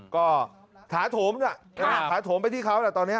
ก็ถาโถมนะถาโถมไปที่เขาแหละตอนนี้